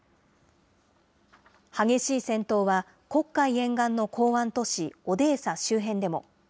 激しい戦闘は、黒海沿岸の港湾都市オデーサ周辺でも。